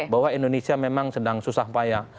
bahwa indonesia memang sedang susah payah